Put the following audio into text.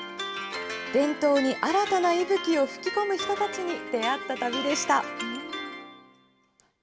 伝統に新たな息吹を吹き込む人たちに出会った旅でした。